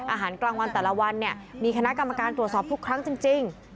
อาหารกลางวันแต่ละวันเนี่ยมีคณะกรรมการตรวจสอบทุกครั้งจริง